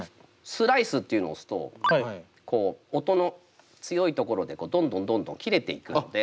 スライスっていうのを押すとこう音の強いところでどんどんどんどん切れていくので。